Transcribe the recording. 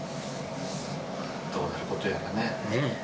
どうなることやらね。